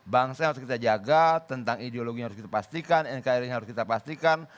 bangsa yang harus kita jaga tentang ideologi yang harus kita pastikan nkri harus kita pastikan